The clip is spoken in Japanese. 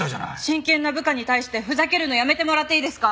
真剣な部下に対してふざけるのやめてもらっていいですか？